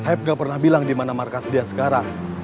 saya nggak pernah bilang di mana markas dia sekarang